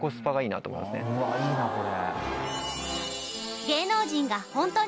うわいいなこれ。